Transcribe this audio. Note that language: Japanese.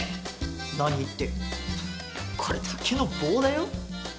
何ってこれ卓球の棒だよ。